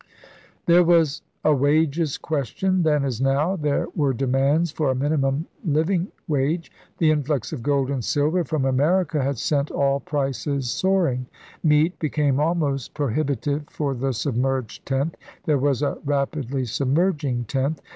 There was a wages question then as now. There were demands for a minimum living wage. The influx of gold and silver from America had sent all prices soaring. Meat became almost pro hibitive for the * submerged tenth' — there was a rapidly submerging tenth.